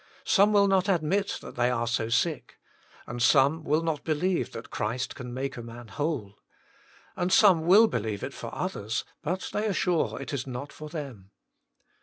Some will not admit that they are so sick. And some will not believe that Christ can make a man whole. And some will believe it for others, but they are sure it is not for them.